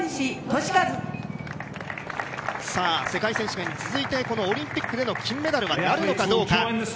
世界選手権に続いてオリンピックでの金メダルはなるのかどうか。